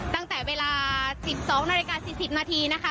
ตั้งแต่เวลา๑๒นาฬิกา๔๐นาทีนะคะ